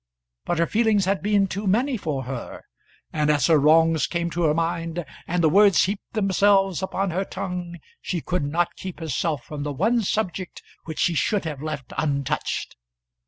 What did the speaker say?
But her feelings had been too many for her, and as her wrongs came to her mind, and the words heaped themselves upon her tongue, she could not keep herself from the one subject which she should have left untouched.